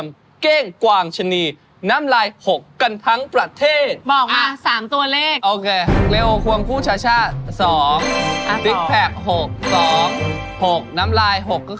เนี่ยมาเปิดเลย